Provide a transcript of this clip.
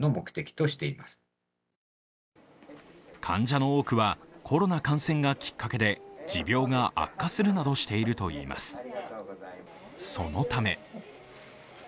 患者の多くはコロナ感染がきっかけで持病が悪化するなどしているといいます。